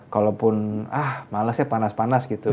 kalaupun ah males ya panas panas gitu